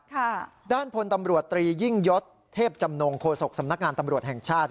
ค่ะด้านพลตำรวจตรียิ่งยศเทพจำนงโฆษกสำนักงานตำรวจแห่งชาติ